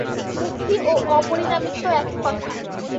মুক্তি ও অপরিণামিত্ব একই কথা।